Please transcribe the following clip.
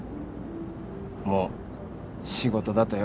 もう仕事だとよ。